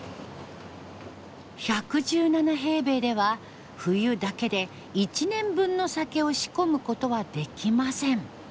１１７平米では冬だけで１年分の酒を仕込むことはできません。